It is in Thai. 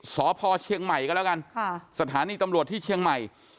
สพเชียงใหม่ก็แล้วกันสถานีตำรวจที่เชียงใหม่